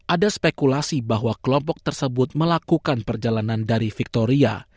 ada spekulasi bahwa kelompok tersebut melakukan perjalanan dari victoria